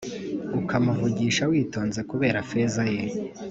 ukamuvugisha witonze kubera feza ye;